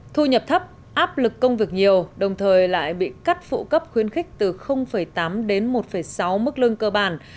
thu nhập thấp áp lực công việc nhiều đồng thời lại bị cắt phụ cấp khuyến khích từ tám đến một sáu mức lương cơ bản